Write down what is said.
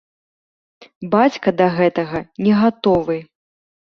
Бацька да гэтага не гатовы.